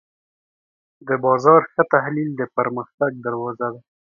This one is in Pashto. د بازار ښه تحلیل د پرمختګ دروازه ده.